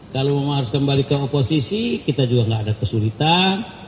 kalau memang harus kembali ke oposisi kita juga tidak ada kesulitan